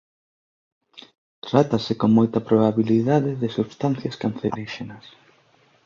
Trátase con moita probabilidade de substancias canceríxenas.